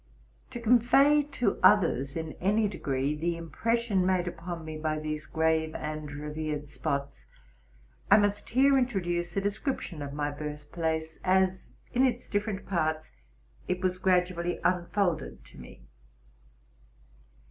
'To convey to others in any degree the impression made upon me by these grave and revered spots, I must here introduce a description of my birthplace, as in its different parts it was gradually unfolded tome.